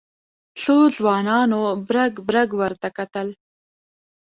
څو ځوانانو برګ برګ ورته کتل.